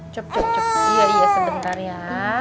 cep cep cep iya iya sebentar ya